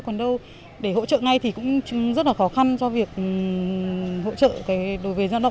còn đâu để hỗ trợ ngay thì cũng rất là khó khăn cho việc hỗ trợ đối với gia độc tự do đấy